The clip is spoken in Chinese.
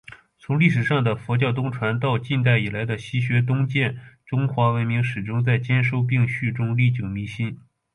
从历史上的佛教东传……到近代以来的“西学东渐”……中华文明始终在兼收并蓄中历久弥新。